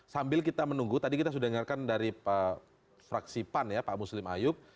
sambil kita menunggu tadi kita sudah dengarkan dari fraksi pan ya pak muslim ayub